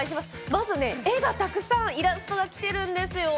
絵がたくさん、イラストがきているんですよ。